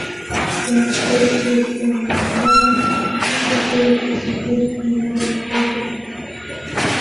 Con el club regiomontano nunca pudo trascender y no renovó su contrato.